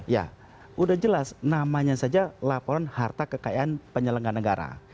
ya sudah jelas namanya saja laporan harta kekayaan penyelenggara negara